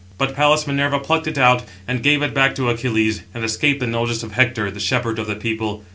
But Pallas Minerva plucked it out, and gave it back to Achilles, and escaped the notice of Hector, the shepherd of the people.